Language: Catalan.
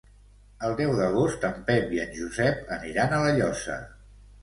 El deu d'agost en Pep i en Josep aniran a La Llosa.